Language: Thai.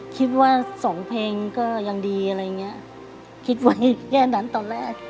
สองเพลงก็ยังดีอะไรอย่างเงี้ยคิดไว้แค่นั้นตอนแรก